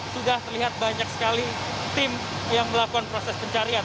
sudah terlihat banyak sekali tim yang melakukan proses pencarian